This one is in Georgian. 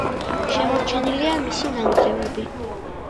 შემორჩენილია მისი ნანგრევები.